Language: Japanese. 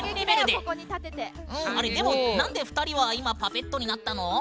でも何で２人は今パペットになったの？